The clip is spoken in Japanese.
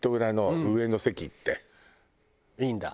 いいんだ？